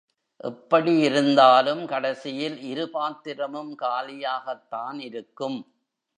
எப்படி இருந்தாலும் கடைசியில் இரு பாத்திரமும் காலியாகத்தான் இருக்கும்.